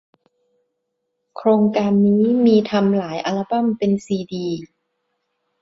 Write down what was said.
โครงการนี้มีทำหลายอัลบั้ม เป็นซีดี